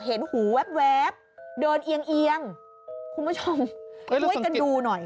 เห็นหูแวบเดินเอียงเอียงคุณผู้ชมช่วยกันดูหน่อย